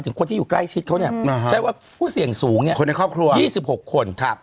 ถึงคนที่อยู่ใกล้ชิดเขาใช้ว่าผู้เสี่ยงสูง๒๖คน